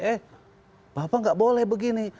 eh bapak nggak boleh begini